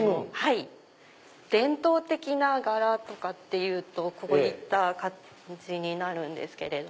伝統的な柄とかっていうとこういった感じになるんですけど。